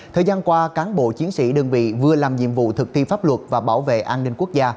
thời gian qua cán bộ chiến sĩ đơn vị vừa làm nhiệm vụ thực thi pháp luật và bảo vệ an ninh quốc gia